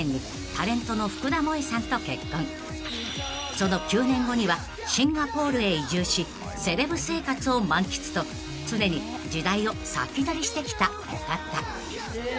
［その９年後にはシンガポールへ移住しセレブ生活を満喫と常に時代を先取りしてきたお方］